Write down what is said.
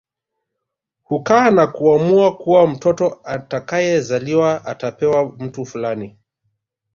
Hukaa na kuamua kuwa mtoto atakayezaliwa atapewa mtu fulani